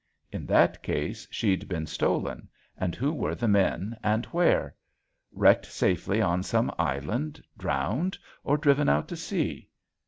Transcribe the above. In that case she'd been stolen, and who were the men and where? Wrecked safely on some island, drowned, or driven out to sea?